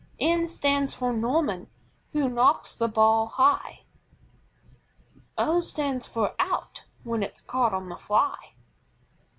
N stands for NORMAN, who knocks the ball high. O stands for OUT, when it's caught on the fly.